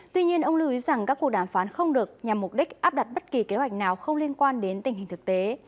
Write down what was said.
tuy nhiên ông lưu ý rằng các cuộc đàm phán không được nhằm mục đích áp đặt bất kỳ kế hoạch nào không liên quan đến tình hình thực tế